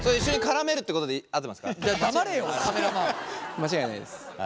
間違いないです。